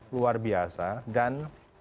luar biasa dan